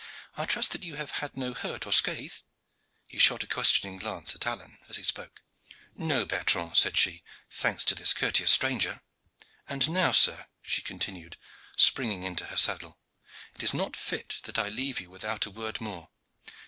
I trust that you have had no hurt or scath?" He shot a questioning glance at Alleyne as he spoke. "No, Bertrand," said she, "thanks to this courteous stranger. And now, sir," she continued, springing into her saddle, "it is not fit that I leave you without a word more.